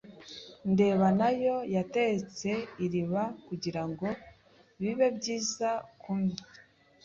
ndeba nayo yatetse iriba kugirango bibe byiza kunywa.